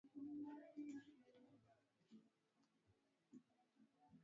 hofu imezidi kutanda jijini portal prince baada ya mlipuko wa ugonjwa wa kipindupindu